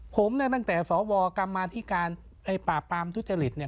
ผมเนี่ยตั้งแต่สวกรรมมาธิการปราบปรามทุจริตเนี่ย